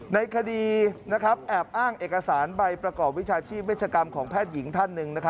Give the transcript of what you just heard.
ในคดีแอบอ้างเอกสารใบประกอบวิชาชีพเวชกรรมของแพทย์หญิงท่านหนึ่ง